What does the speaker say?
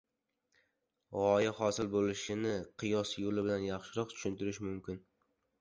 Gʻoya hosil boʻlishini qiyos yoʻli bilan yaxshiroq tushuntirish mumkin.